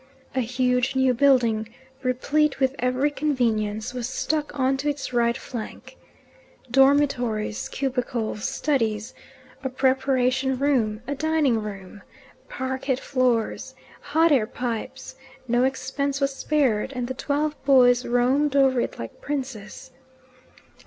A huge new building, replete with every convenience, was stuck on to its right flank. Dormitories, cubicles, studies, a preparation room, a dining room, parquet floors, hot air pipes no expense was spared, and the twelve boys roamed over it like princes.